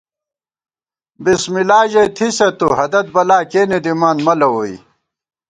بِسمِ اللہ ژَئی تھِسہ تُو ہَدَت بلا کېنےدِمان مَلہ ووئی